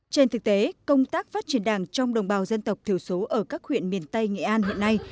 trên thực tế công tác phát triển đảng trong đồng bào dân tộc thiểu số ở các huyện miền tây nghệ an hiện nay